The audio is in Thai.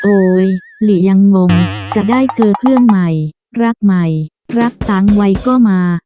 หลียังงงจะได้เจอเพื่อนใหม่รักใหม่รักตังค์ไว้ก็มา